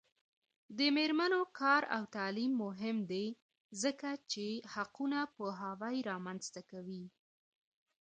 د میرمنو کار او تعلیم مهم دی ځکه چې حقونو پوهاوی رامنځته کوي.